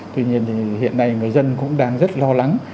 tuy nhiên thì hiện nay người dân cũng đang rất lo lắng